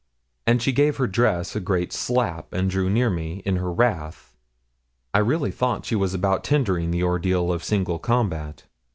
And she gave her dress a great slap, and drew near me, in her wrath. I really thought she was about tendering the ordeal of single combat.